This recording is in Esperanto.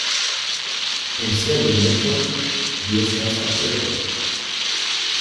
En sia dometo li estas atleto.